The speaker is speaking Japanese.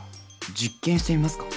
実験してみますか？